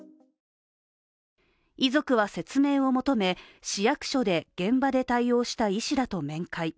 遺族は説明を求め市役所で現場で対応した医師らと面会。